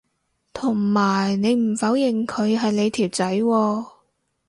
同埋你唔否認佢係你條仔喎